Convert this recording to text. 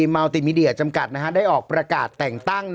เมาติมีเดียจำกัดได้ออกประกาศแต่งตั้ง